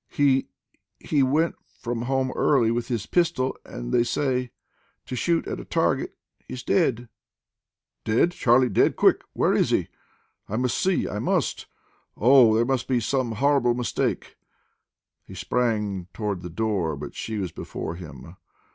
"He he went from home early, with his pistol, they say, to shoot at a target. He is dead!" "Dead! Charley dead! Quick! Where is he? I must see, I must. Oh! there must be some horrible mistake." He sprang toward the door, but she was before him.